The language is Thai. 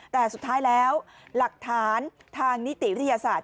แต่สุดท้ายแล้วหลักฐานทางนิติวิทยาศาสตร์